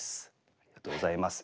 ありがとうございます。